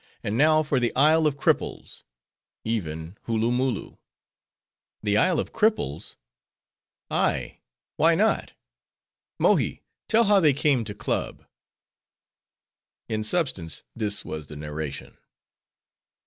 And now for the Isle of Cripples,—even Hooloomooloo." "The Isle of Cripples?" "Ay; why not? Mohi, tell how they came to club." In substance, this was the narration.